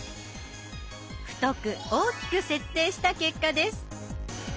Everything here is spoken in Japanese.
太く大きく設定した結果です。